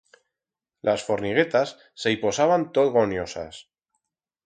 Las forniguetas se i posaban tot goniosas.